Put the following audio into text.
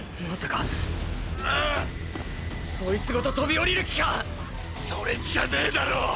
まさかそいつごと飛び降りる気か⁉それしかねぇだろ！！